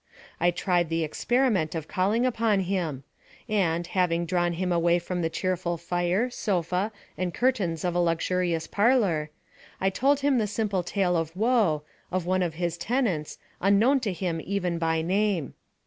I tried the experiment of calling upon him; and, having drawn him away from the cheerful fire, sofa, and curtains of a luxurious parlor, I told him the simple tale of woe, of one of his tenants, unknown to him even by name.